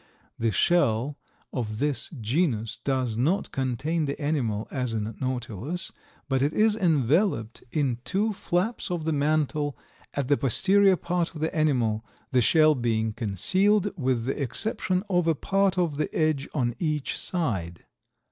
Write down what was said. The shell of this genus does not contain the animal, as in Nautilus, but it is enveloped in two flaps of the mantle, at the posterior part of the animal, the shell being concealed with the exception of a part of the edge on each side.